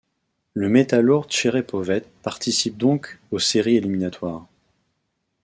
Le Metallourg Tcherepovets participe donc aux séries éliminatoires.